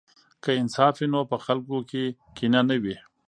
که انصاف وي نو په خلکو کې کینه نه وي.